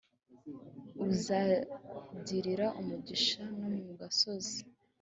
uzagirira umugisha no mu gasozi.